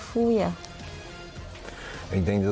เธอจะบอกว่าเธอจะบอกว่าเธอจะบอกว่า